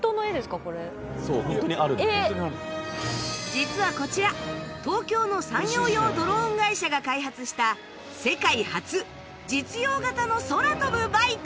実はこちら東京の産業用ドローン会社が開発した世界初実用型の空飛ぶバイク